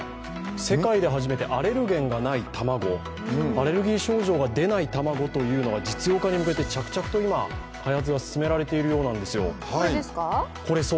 世界で初めてアレルゲンがない卵、アレルギー症状が出ない卵というのが実用化に向けて着々と今、開発が進められているようなんですよ。